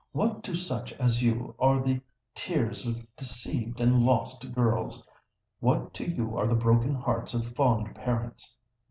What to such as you are the tears of deceived and lost girls? what to you are the broken hearts of fond parents?